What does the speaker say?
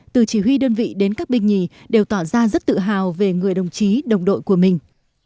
từ chỉ huy đơn vị đến các binh nhì đều tỏ ra rất tự hào về người đồng chí đồng đội của mình